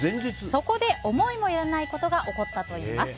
そこで思いもよらないことが起こったといいます。